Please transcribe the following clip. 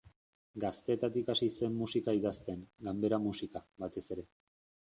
Gaztetatik hasi zen musika idazten, ganbera musika, batez ere.